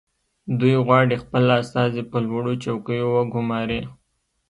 دوی غواړي خپل استازي په لوړو چوکیو وګماري